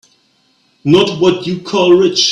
Not what you'd call rich.